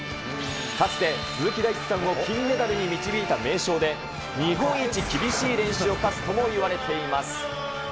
かつて鈴木大地さんを金メダルに導いた名将で、日本一厳しい練習を課すともいわれています。